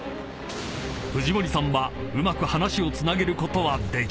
［藤森さんはうまく話をつなげることはできるのか？］